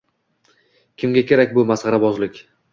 Kimga kerak bu masxarabozlik?